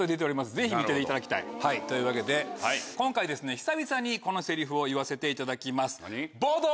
ぜひ見ていただきたい。というわけで今回久々にこのセリフを言わせていただきます。